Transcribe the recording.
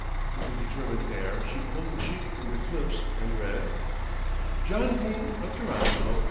With a determined air she pulled the sheet from the clips and read: "JOHN DENE OF TORONTO.